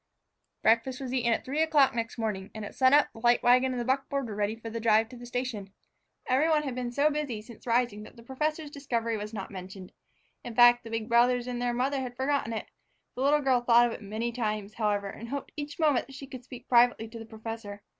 Breakfast was eaten at three o'clock next morning, and at sun up the light wagon and the buckboard were ready for the drive to the station. Every one had been so busy since rising that the professor's discovery was not mentioned. In fact, the big brothers and their mother had forgotten it; the little girl thought of it many times, however, and hoped each moment that she could speak privately to the professor.